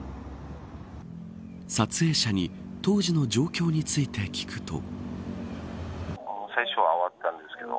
撮影者に当時の状況について聞くと。